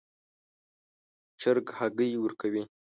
چرګ هګۍ ورکوي